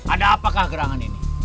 ada apakah gerangan ini